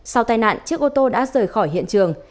sau tai nạn chiếc ô tô đã rời khỏi hiện trường